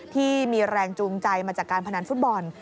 ที่มีแรงจูงใจมาจากการพนันฟุตบอล